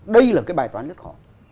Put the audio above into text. đây là cái bài toán rất khó